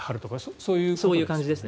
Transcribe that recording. そういうことですよね。